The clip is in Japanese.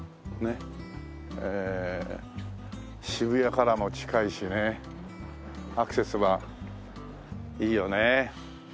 ええ渋谷からも近いしねアクセスはいいよねえ。